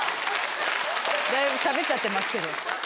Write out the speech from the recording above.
だいぶ喋っちゃってますけど。